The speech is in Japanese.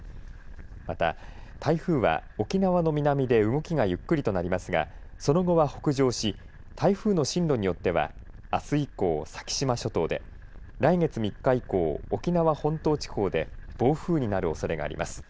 また、台風は沖縄の南で動きがゆっくりとなりますがその後は北上し台風の進路によってはあす以降、先島諸島で来月３日以降、沖縄本島地方で暴風になるおそれがあります。